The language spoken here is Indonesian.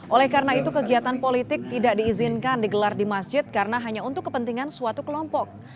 oleh karena itu kegiatan politik tidak diizinkan digelar di masjid karena hanya untuk kepentingan suatu kelompok